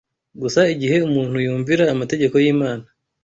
gusa igihe umuntu yumvira amategeko y’Imana